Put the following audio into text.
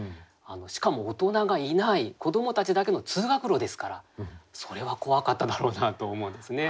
しかも大人がいない子どもたちだけの通学路ですからそれは怖かっただろうなと思うんですね。